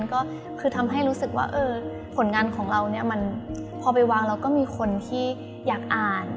ก็คือทำให้รู้สึกว่าผลงานของเราเนี่ยมันพอไปวางแล้วก็มีคนที่อยากอ่าน